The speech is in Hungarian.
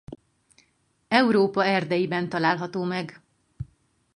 Európa erdeiben található meg.